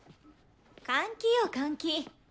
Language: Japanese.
換気よ換気。